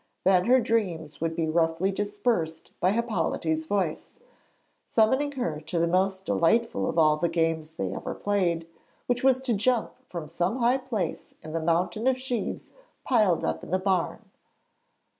Then her dreams would be roughly dispersed by Hippolyte's voice, summoning her to the most delightful of all the games they ever played, which was to jump from some high place into the mountain of sheaves piled up in the barn.